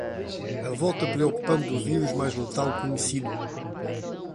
A volta preocupante do vírus mais letal conhecido